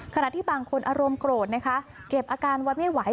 ขณะที่บางคนอารมณ์โกรธนะคะเก็บอาการไว้ไม่ไหว